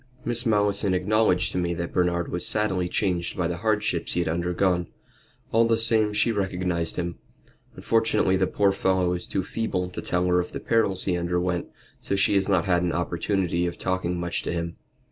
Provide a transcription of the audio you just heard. "Miss Malleson acknowledged to me that Bernard was sadly changed by the hardships he had undergone. All the same she recognized him. Unfortunately, the poor fellow is too feeble to tell her of the perils he underwent, so she has not had an opportunity of talking much to him."